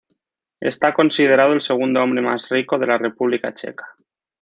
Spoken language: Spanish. Está considerado el segundo hombre más rico de la República Checa.